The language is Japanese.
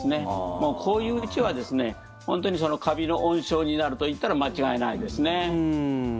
もう、こういうおうちは本当にカビの温床になるといったら間違いないですね。